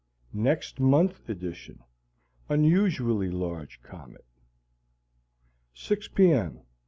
Next Month Edition Unusually large comet 6 P. M.